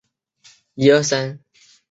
延庆长公主去世。